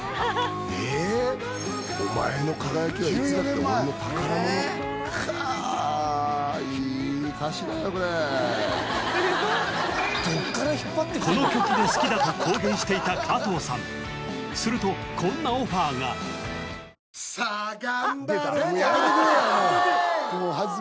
特にこの曲が好きだと公言していた加藤さんするとこんなオファーがさあがんばろうぜ！